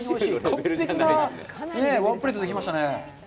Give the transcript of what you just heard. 完璧なワンプレートができましたね。